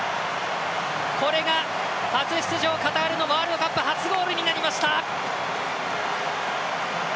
これが初出場カタールのワールドカップ初ゴールになりました！